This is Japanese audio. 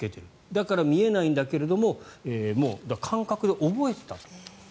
だから見えないんだけどももう感覚で覚えてたんだと。